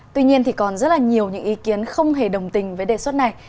tuy nhiên thì còn rất là nhiều những ý kiến không hề đồng tình với đề xuất này